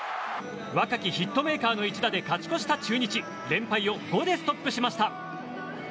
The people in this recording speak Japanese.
若きヒットメーカーの一打で勝ち越した中日連敗を５でストップしました。